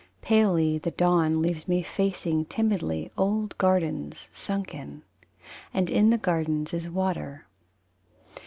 Palely the dawn Leaves me facing timidly Old gardens sunken: And in the gardens is water.